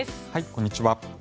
こんにちは。